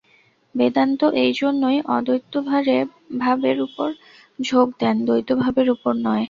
বেদান্ত এইজন্যই অদ্বৈতভাবের উপর ঝোঁক দেন, দ্বৈতভাবের উপর নয়।